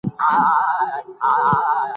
ده د بې ضرورته شخړو مخه نيوله.